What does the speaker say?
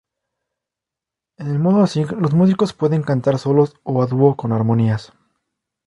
En el modo Sing, los músicos pueden cantar solos o a dúo con armonías.